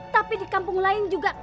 tapi di kampung lain juga